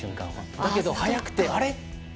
だけど速くてあれ？って。